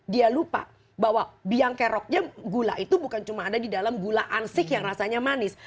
dia lupa bahwa biang keroknya gula itu bukan cuma ada di dalam gula ansik yang rasanya manis